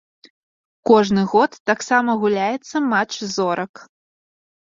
Кожны год таксама гуляецца матч зорак.